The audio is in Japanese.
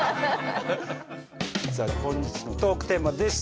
さあ本日のトークテーマです。